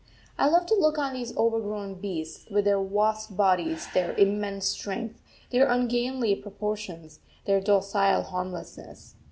I love to look on these overgrown beasts, with their vast bodies, their immense strength, their ungainly proportions, their docile harmlessness.